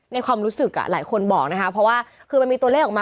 ความรู้สึกหลายคนบอกนะคะเพราะว่าคือมันมีตัวเลขออกมา